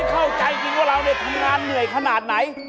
เข้าใจจริงว่าเราทำงานเหนื่อยขนาดไหน